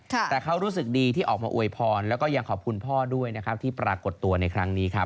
แต่เขารู้สึกดีที่ออกมาอวยพรแล้วก็ยังขอบคุณพ่อด้วยนะครับที่ปรากฏตัวในครั้งนี้ครับ